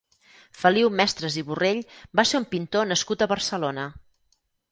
Feliu Mestres i Borrell va ser un pintor nascut a Barcelona.